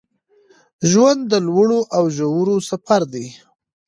ژوند د لوړو او ژورو سفر دی